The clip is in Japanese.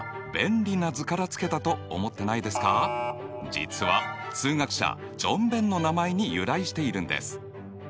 実は数学者ジョン・ベンの名前に由来しているんです。